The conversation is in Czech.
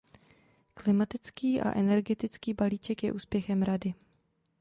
Klimatický a energetický balíček je úspěchem Rady.